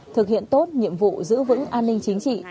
thực hiện tốt nhiệm vụ giữ vững an ninh chính trị